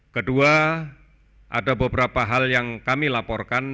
kedua ada beberapa hal yang kami laporkan